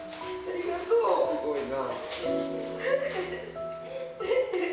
すごいな。